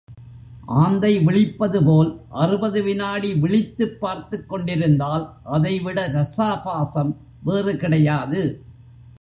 ஆந்தை விழிப்பது போல் அறுபது விநாடி விழித்துப் பார்த்துக் கொண்டிருந்தால், அதைவிட ரசாபாசம் வேறு கிடையாது.